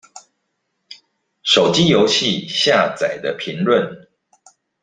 手機遊戲下載的評論